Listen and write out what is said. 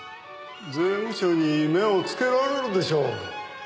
税務署に目をつけられるでしょう。